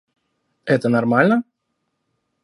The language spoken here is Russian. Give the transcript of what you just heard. Это нормально?